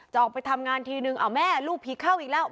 ออกไปทำงานทีนึงเอาแม่ลูกผีเข้าอีกแล้ว